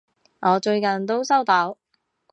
我最近都收到！